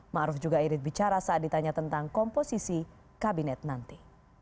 ⁇ maruf juga irit bicara saat ditanya tentang komposisi kabinet nanti